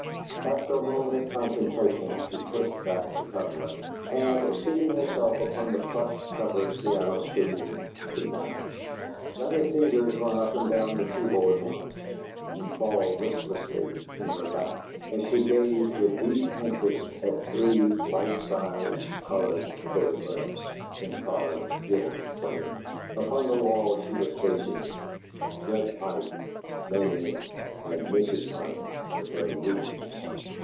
After a moment of contemplation, she pushed back the coverlet, and, seating herself upon the plush covered piano stool (to match), let her fingers run up and down the key board once and fall listlessly in her lap, as she gazed with deep interest at three life sized colored photographs (in carved gilt frames) upon the wall she was facing: Judge Pike, Mamie, and Mrs. Pike with her rubies.